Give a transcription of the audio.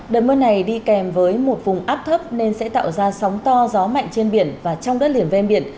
đợt mưa này đi kèm với một vùng áp thấp nên sẽ tạo ra sóng to gió mạnh trên biển và trong đất liền ven biển